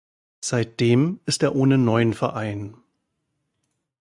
Seitdem ist er ohne neuen Verein.